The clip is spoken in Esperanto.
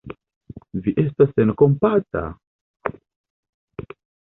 Vi estas senkompata!